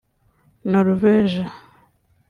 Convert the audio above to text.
Norvège